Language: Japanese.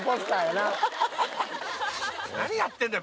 何やってんだよ。